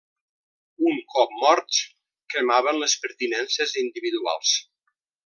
Un cop morts, cremaven les pertinences individuals.